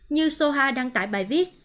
như soha đăng tải bài viết